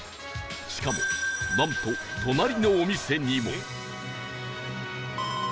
しかもなんと隣のお店にも